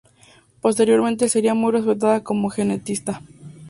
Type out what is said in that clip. Posteriormente sería muy respetada como genetista.